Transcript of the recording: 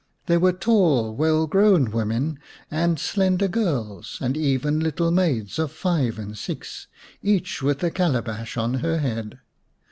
There were tall, well grown women, and slender girls, and even little maids of five and six, each with a calabash on her head.